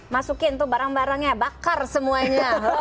masukin tuh barang barangnya bakar semuanya